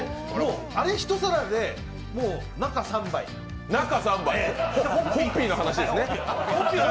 あれ一皿で、中３杯ホッピーの話です。